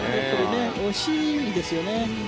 惜しいですよね。